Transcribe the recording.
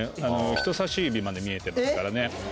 人さし指まで見えてますからね。